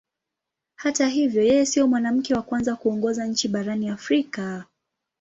Hata hivyo yeye sio mwanamke wa kwanza kuongoza nchi barani Afrika.